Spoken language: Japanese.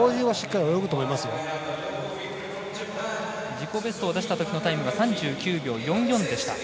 自己ベストを出したときのタイムが３９秒４４でした。